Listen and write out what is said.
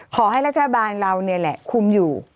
ขอให้รัฐบาลเรานี่แหละคุมอยู่